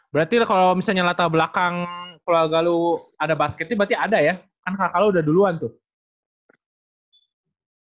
berarti kalau misalnya latar belakang keluarga lu ada basket nih berarti ada ya kan kakak lu udah duluan tuh